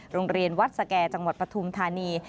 โรงเรียนวัดสแก่จังหวัดปฐุมธานี